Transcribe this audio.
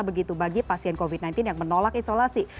begitu bagi pasien covid sembilan belas yang menolak isolasi